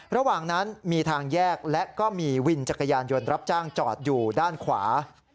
ระหว่างนั้นมีทางแยกและก็มีวินจักรยานยนต์รับจ้างจอดอยู่ด้านขวา